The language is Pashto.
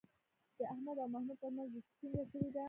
د احمد او محمود ترمنځ دوستي ټینگه شوې ده.